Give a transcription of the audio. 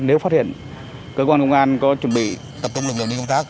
nếu phát hiện cơ quan công an có chuẩn bị tập trung lực lượng đi công tác